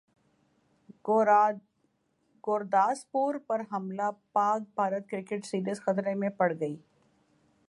گورداسپور پر حملہ Pak Bharat cricket series خطرے میں پڑگئی